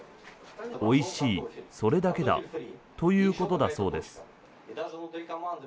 おいしい、それだけだということだそうです。